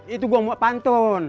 itu gue buat pantun